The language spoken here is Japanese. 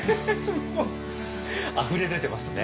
もうあふれ出てますね。